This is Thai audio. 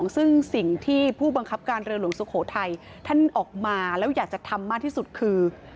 ซึ่งสิ่งที่ผู้บังคับการเรือหลวงสุโขทัยท่านออกมาแล้วอยากจะทำมากที่สุดคือ